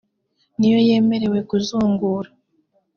niyo yemerewe kuzungura